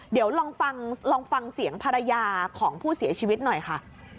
เดี๋ยวลองฟังลองฟังเสียงภรรยาของผู้เสียชีวิตหน่อยค่ะ